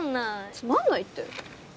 「つまんない」って。